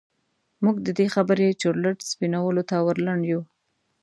موږ د دې خبرې چورلټ سپينولو ته ور لنډ يوو.